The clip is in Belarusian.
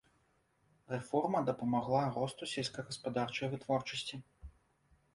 Рэформа дапамагла росту сельскагаспадарчай вытворчасці.